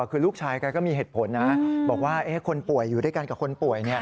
คือลูกชายแกก็มีเหตุผลนะบอกว่าคนป่วยอยู่ด้วยกันกับคนป่วย